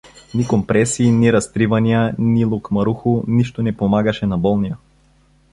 Ни компреси, ни разтривания, ни локмаруху, нищо не помагаше на болния.